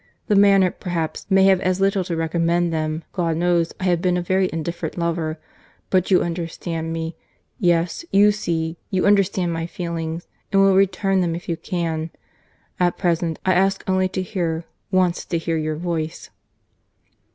The manner, perhaps, may have as little to recommend them. God knows, I have been a very indifferent lover.—But you understand me.—Yes, you see, you understand my feelings—and will return them if you can. At present, I ask only to hear, once to hear your voice."